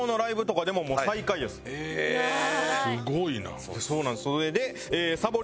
すごいな。